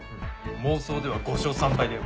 妄想では５勝３敗だよ。